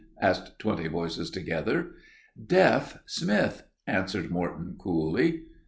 asked twenty voices together. "Deaf Smith," answered Morton, coolly.